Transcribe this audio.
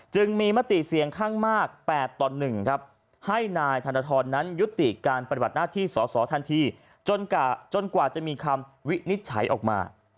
จึงมีมติเสียงข้างมาก๘ต่อ๑ครับให้นายธนทรนั้นยุติการปฏิบัติหน้าที่สอสอทันทีจนกว่าจะมีคำวินิจฉัยออกมา